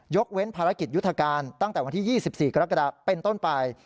เว้นภารกิจยุทธการตั้งแต่วันที่๒๔กรกฎาเป็นต้นไป